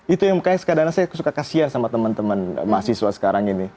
itu yang kadang saya suka kasian sama teman teman mahasiswa sekarang ini